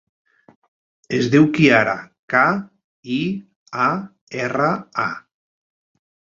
Es diu Kiara: ca, i, a, erra, a.